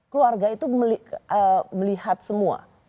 keluarga itu melihat semua